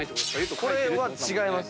これは違います。